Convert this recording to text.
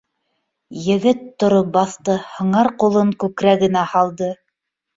Егет тороп баҫты, һыңар ҡулын күкрәгенә һалды